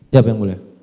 siap yang boleh